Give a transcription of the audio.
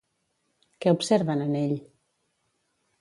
Què observen en ell?